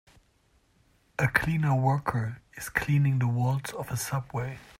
A cleaner worker is cleaning the walls of a subway.